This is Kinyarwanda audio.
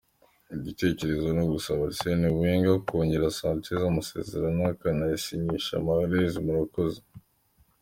igitekerezo nugusaba arsene wengar kongerera sanchez amasezerano akanasinyisha mahrez murakoze?.